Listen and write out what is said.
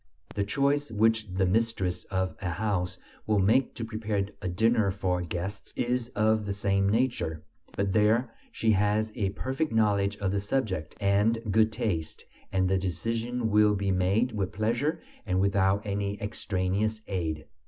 The choice which the mistress of a house will make to prepare a dinner for guests is of the same nature; but there she has a perfect knowledge of the subject, and good taste, and the decision will be made with pleasure and without any extraneous aid.